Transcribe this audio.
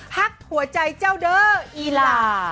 พักหัวใจเจ้าเด้ออีหลา